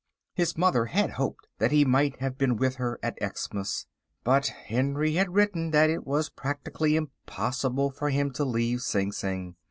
His mother had hoped that he might have been with her at Xmas, but Henry had written that it was practically impossible for him to leave Sing Sing.